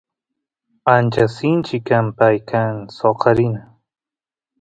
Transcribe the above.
ancha sinchi kan pay kan soqarina